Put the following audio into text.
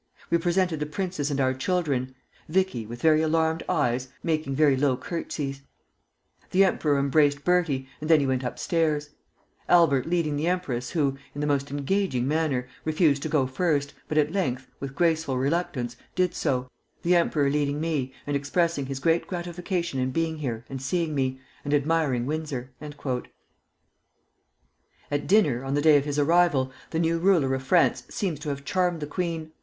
We presented the princes and our children (Vicky, with very alarmed eyes, making very low courtesies). The emperor embraced Bertie, and then he went upstairs, Albert leading the empress, who, in the most engaging manner, refused to go first, but at length, with graceful reluctance, did so, the emperor leading me and expressing his great gratification in being here and seeing me, and admiring Windsor." At dinner, on the day of his arrival, the new ruler of France seems to have charmed the queen.